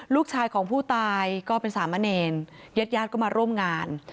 ลูกชายของผู้ตายก็เป็นสามเณรญาติญาติก็มาร่วมงาน